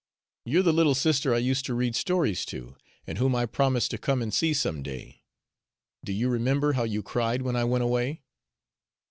"You're the little sister I used to read stories to, and whom I promised to come and see some day. Do you remember how you cried when I went away?"